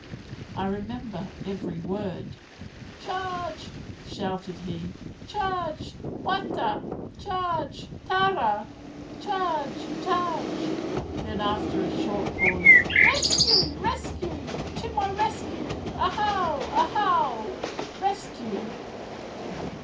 I remember every word "Charge!" shouted he "Charge! Wata, charge! Tara, charge! charge!" Then after a short pause "Rescue! rescue! to my rescue! _ahau! ahau! rescue!